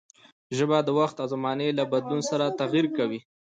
ژبه د وخت او زمانې له بدلون سره تغير کوي.